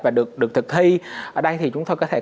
và được thực thi ở đây thì chúng tôi có thể